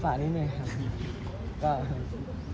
ฝากนิดหน่อยครับ